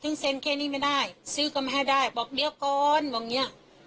เซ็นแค่นี้ไม่ได้ซื้อก็ไม่ให้ได้บอกเดี๋ยวก่อนบอกเนี้ย